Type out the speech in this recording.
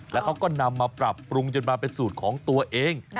แล้วเขาก็นำมาปรับปรุงจนมาเป็นสูตรของตัวเอง